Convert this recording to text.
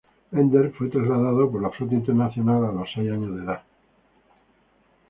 Ender fue trasladado por la Flota Internacional a los seis años de edad.